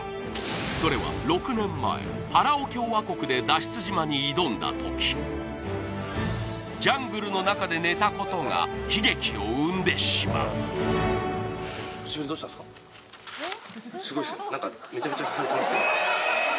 それは６年前パラオ共和国で脱出島に挑んだ時ジャングルの中で寝たことが悲劇を生んでしまうええっ！